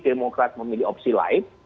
demokrat memilih opsi lain